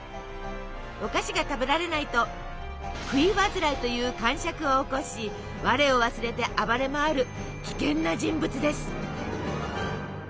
お菓子が食べられないと「食いわずらい」というかんしゃくを起こし我を忘れて暴れ回る危険な人物です。